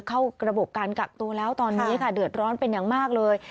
เข้าระบบการกักตัวแล้วตอนนี้ค่ะเดือดร้อนเป็นอย่างมากเลย